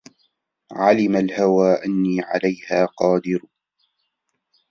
علم الهوى أني عليها قادر